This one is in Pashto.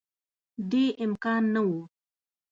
دې امکان نه وو